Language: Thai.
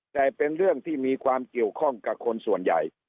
แต่เป็นเรื่องที่มีความเกี่ยวข้องกับคนส่วนใหญ่